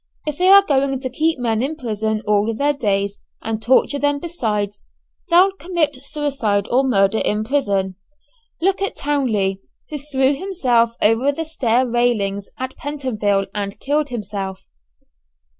"If they are going to keep men in prison all their days, and torture them besides, they'll commit suicide or murder in prison. Look at Townley, who threw himself over the stair railings at Pentonville and killed himself."